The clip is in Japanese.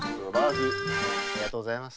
ありがとうございます。